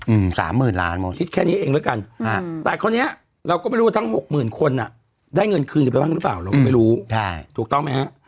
อืมสามหมื่นล้านหมอคิดแค่นี้เองแล้วกันอ่าแต่คราวเนี้ยเราก็ไม่รู้ว่าทั้งหกหมื่นคนอ่ะได้เงินคืนกันไปบ้างหรือเปล่าเราก็ไม่รู้ใช่ถูกต้องไหมฮะ